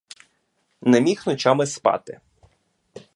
Не міг ночами спати.